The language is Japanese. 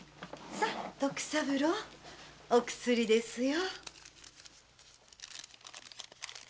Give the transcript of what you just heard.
さあ徳三郎お薬ですよ。